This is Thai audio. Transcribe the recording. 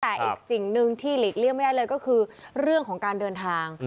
แต่อีกสิ่งหนึ่งที่หลีกเลี่ยงไม่ได้เลยก็คือเรื่องของการเดินทาง